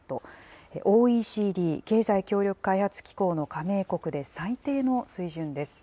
ＯＥＣＤ・経済協力開発機構の加盟国で最低の水準です。